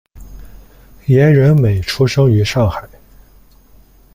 严仁美出生于上海。